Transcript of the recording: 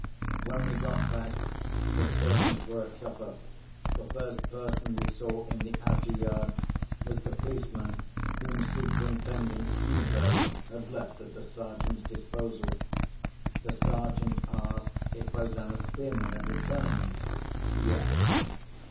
When we got back, the servants were at supper. The first person we saw in the outer yard was the policeman whom Superintendent Seegrave had left at the Sergeant's disposal. The Sergeant asked if Rosanna Spearman had returned. Yes.